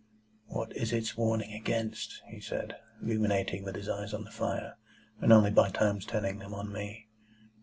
"What is its warning against?" he said, ruminating, with his eyes on the fire, and only by times turning them on me.